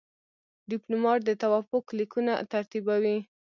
ډيپلومات د توافق لیکونه ترتیبوي.